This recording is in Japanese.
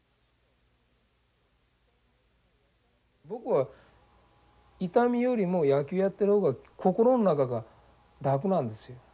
僕は痛みよりも野球やってる方が心の中が楽なんですよ。